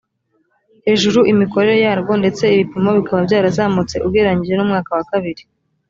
hejuru imikorere yarwo ndetse ibipimo bikaba byarazamutse ugereranije n umwaka wa kabiri